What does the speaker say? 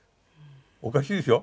おかしいでしょ？